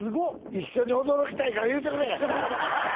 一緒に驚きたいから言うてくれ！